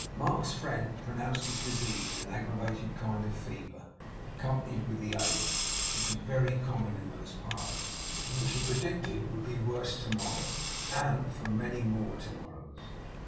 Mark's friend pronounced his disease an aggravated kind of fever, accompanied with ague; which was very common in those parts, and which he predicted would be worse to morrow, and for many more to morrows.